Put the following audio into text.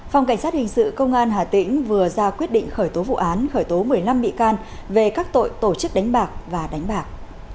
phòng cảnh sát hình sự công an hà tĩnh vừa ra quyết định khởi tố vụ án khởi tố một mươi năm bị can về các tội tổ chức đánh bạc và đánh bạc